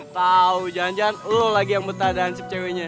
tau jangan jangan lo lagi yang betah dan cip ceweknya